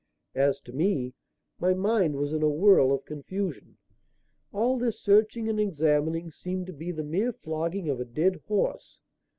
As to me, my mind was in a whirl of confusion. All this searching and examining seemed to be the mere flogging of a dead horse.